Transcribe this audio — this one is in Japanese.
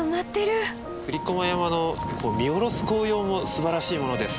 栗駒山の見下ろす紅葉もすばらしいものです。